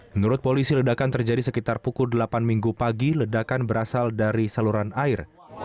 menurut polisi ledakan terjadi sekitar pukul delapan minggu pagi ledakan berasal dari saluran air